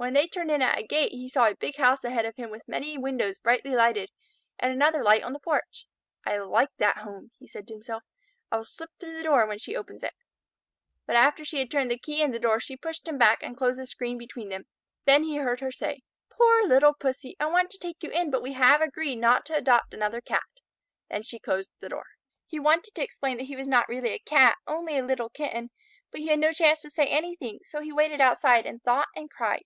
When they turned in at a gate he saw a big house ahead of him with many windows brightly lighted and another light on the porch. "I like that home," he said to himself. "I will slip through the door when she opens it." But after she had turned the key in the door she pushed him back and closed the screen between them. Then he heard her say: "Poor little Pussy! I want to take you in, but we have agreed not to adopt another Cat." Then she closed the door. He wanted to explain that he was not really a Cat, only a little Kitten, but he had no chance to say anything, so he waited outside and thought and cried.